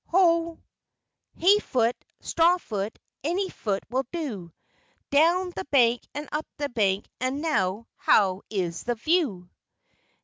Ho " "Hay foot, straw foot, any foot will do, Down the bank and up the bank, and now, how is the view?"